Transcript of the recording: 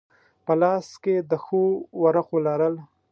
په لاس کې د ښو ورقو لرل.